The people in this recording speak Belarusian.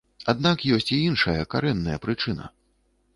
Аднак ёсць і іншая, карэнная прычына.